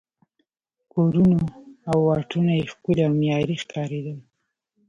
کورونه او واټونه یې ښکلي او معیاري ښکارېدل.